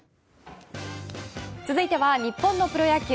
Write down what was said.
続いては日本のプロ野球。